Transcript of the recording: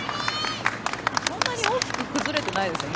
そんなに大きく崩れてないですよね。